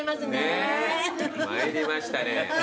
参りましたね。